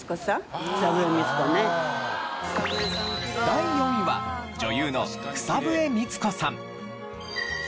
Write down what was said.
第４位は女優の草笛光子さん。